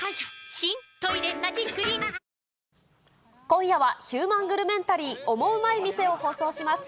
今夜は、ヒューマングルメンタリーオモウマい店を放送します。